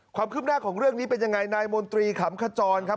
ความคืบหน้าของเรื่องนี้เป็นยังไงนายมนตรีขำขจรครับ